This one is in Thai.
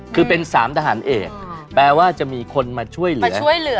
คือเป็น๓ทหารเอกแปลว่าจะมีคนมาช่วยเหลือ